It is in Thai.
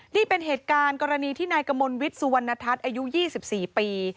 นี่เป็นเหตุการณ์กรณีที่นายกมลวิทย์สุวรรณทัศน์อายุ๒๔ปี